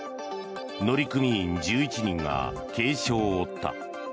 乗組員１１人が軽傷を負った。